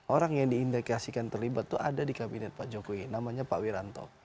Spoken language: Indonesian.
orang yang diindikasikan terlibat itu ada di kabinet pak jokowi namanya pak wiranto